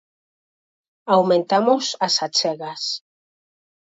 Aumentamos as achegas.